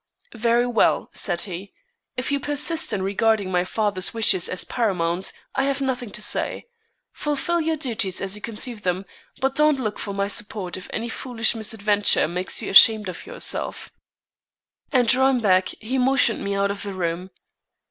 "Very well," said he, "if you persist in regarding my father's wishes as paramount, I have nothing to say. Fulfil your duties as you conceive them, but don't look for my support if any foolish misadventure makes you ashamed of yourself." And drawing back, he motioned me out of the room.